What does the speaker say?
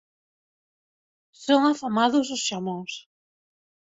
Son afamados os xamóns.